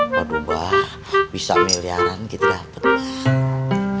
waduh bah bisa miliaran kita dapet bah